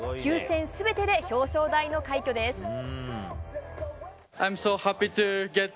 ９戦全てで表彰台の快挙です。